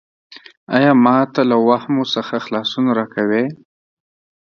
ایا ما ته له واهمو څخه خلاصون راکوې؟